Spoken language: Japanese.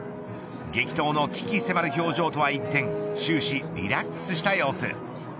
激闘の危機迫る表情とは一転終始リラックスした様子。